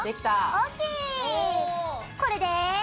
これで。